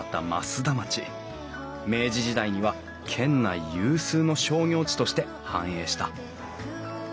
明治時代には県内有数の商業地として繁栄した。